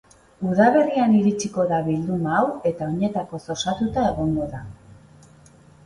Udaberrian iritsiko da bilduma hau eta oinetakoz osatuta egongo da.